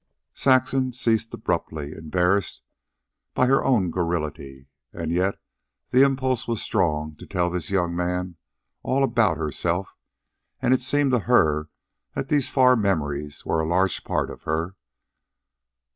Saxon ceased abruptly, embarrassed by her own garrulity; and yet the impulse was strong to tell this young man all about herself, and it seemed to her that these far memories were a large part of her.